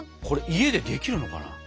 これ家でできるのかな？